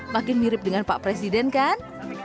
makin mirip dengan pak presiden kan